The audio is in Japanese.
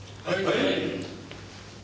はい！